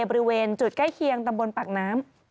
บริเวณจุดใกล้เคียงตำบลปากน้ำ